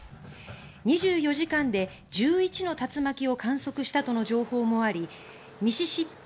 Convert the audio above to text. ２４時間で１１の竜巻を観測したとの情報もありミシシッピ、